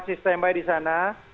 masih standby di sana